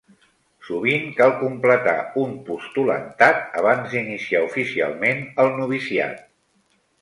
Sovint cal completar un postulantat abans d'iniciar oficialment el noviciat.